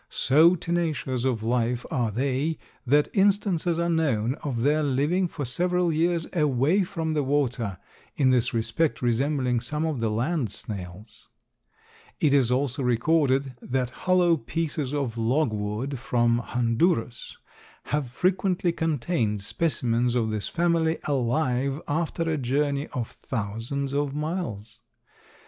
So tenacious of life are they that instances are known of their living for several years away from the water, in this respect resembling some of the land snails. It is also recorded that hollow pieces of logwood from Honduras have frequently contained specimens of this family alive after a journey of thousands of miles.